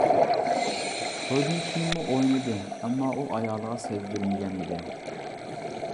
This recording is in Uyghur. تويدىن كېيىنمۇ ئوينىدى ئەمما ئۇ ئايالىغا سەزدۈرمىگەن ئىدى.